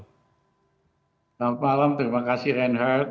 selamat malam terima kasih reinhardt